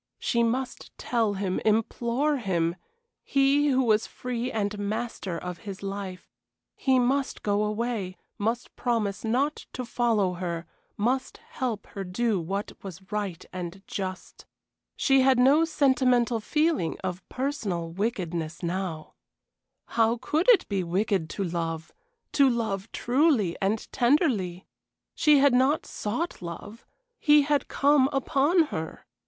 She must tell him, implore him he who was free and master of his life; he must go away, must promise not to follow her, must help her to do what was right and just. She had no sentimental feeling of personal wickedness now. How could it be wicked to love to love truly and tenderly? She had not sought love; he had come upon her.